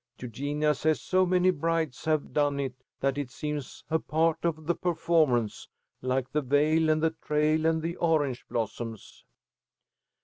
Eugenia says so many brides have done it that it seems a part of the performance, like the veil and the trail and the orange blossoms."